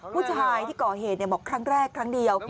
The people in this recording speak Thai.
ผู้ชายที่ก่อเหตุบอกครั้งแรกครั้งเดียว